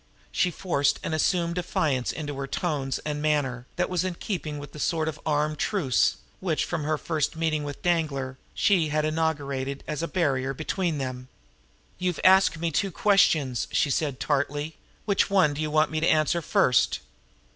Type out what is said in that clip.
She forced an assumed defiance into her tones and manner, that was in keeping with the sort of armed truce, which, from her first meeting with Danglar, she had inaugurated as a barrier between them. "You have asked me two questions," she said tartly. "Which one do you want me to answer first?"